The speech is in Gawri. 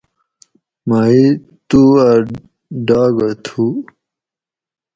مہ ئ تُو اۤ ڈاگہ تھو